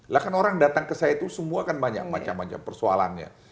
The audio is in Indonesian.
lah kan orang datang ke saya itu semua kan banyak macam macam persoalannya